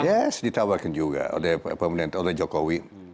yes ditawarkan juga oleh jokowi